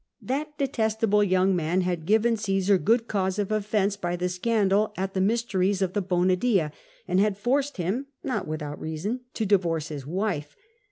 That detest able young man had given Cmsar good cause of offence by the scandal at the mysteries of the Bond Dm, and had forced him (not without reason) to divorce his wife.